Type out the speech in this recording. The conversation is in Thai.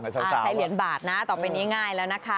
ใช่ใช้เหรียญบาทนะต่อไปนี้ง่ายแล้วนะคะ